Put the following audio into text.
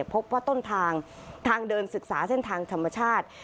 พบว่าต้นทางทางเดินศึกษาเส้นทางธรรมชาติ